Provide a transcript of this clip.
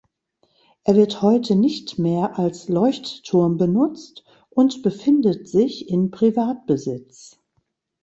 Er wird heute nicht mehr als Leuchtturm benutzt und befindet sich in Privatbesitz.